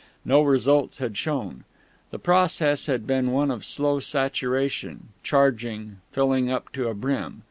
No results had shown. The process had been one of slow saturation, charging, filling up to a brim.